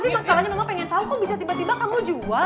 tapi masalahnya mama pengen tahu kok bisa tiba tiba kamu jual